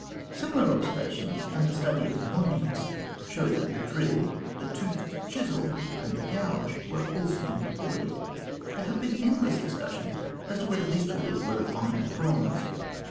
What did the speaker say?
Similar observations, and the study of the monuments, show that the drill (fig. 181), the toothed chisel, and the gouge were also employed. There have been endless discussions as to whether these tools were of iron or of bronze.